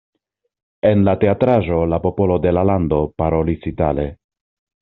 En la teatraĵo la popolo de la lando parolis itale.